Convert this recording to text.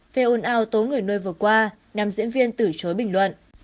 về ồn ào tố người nuôi vừa qua năm diễn viên tử chối bình luận